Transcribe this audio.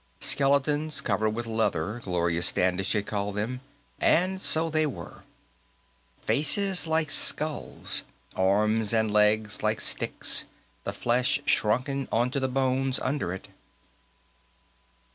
Skeletons covered with leather, Gloria Standish had called them, and so they were faces like skulls, arms and legs like sticks, the flesh shrunken onto the bones under it.